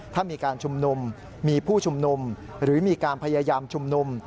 ถ้ามีการชุมนุมมีผู้ชุมนุมหรือมีการพยายามชุมนุม